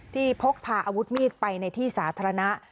พกพาอาวุธมีดไปในที่สาธารณะ